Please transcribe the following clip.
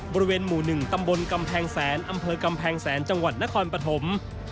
บริเวณหมู่๑ตำบลกำแพงแสนอำเภอกำแพงแสนจังหวัดนครปฐม